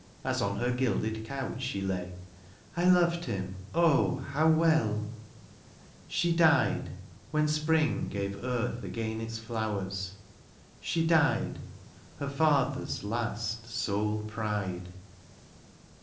As on her gilded couch she lay, '^ I loved him, oh ! how well !^' She died When spring gave earth again its flowers She died, her father^s last, sole pride.